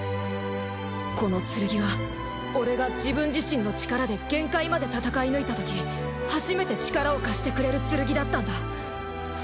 この剣は俺が自分自身の力で限界まで戦い抜いたとき初めて力を貸してくれる剣だったんだ。